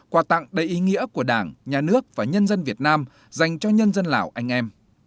quà tặng đầy ý nghĩa của đảng nhà nước và nhân dân việt nam dành cho nhân dân lào anh em